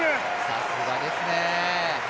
さすがですね。